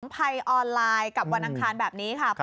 ภัยออนไลน์กับวันอังคารแบบนี้ค่ะ